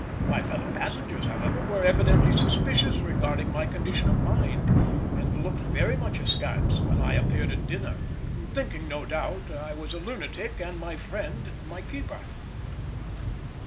My fellow passengers, however, were evidently suspicious regarding my condition of mind, and looked very much askance when I appeared at dinner, thinking no doubt that I was a lunatic and my friend my keeper.